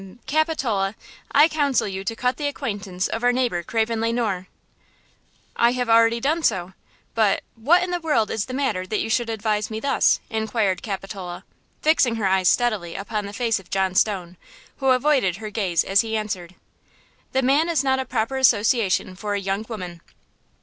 Capitola, I counsel you to cut the acquaintance of our neighbor, Craven Le Noir." "I have already done so; but–what in the world is the matter that you should advise me thus?" inquired Capitola, fixing her eyes steadily upon the face of John Stone, who avoided her gaze as he answered: "The man is not a proper association for a young woman."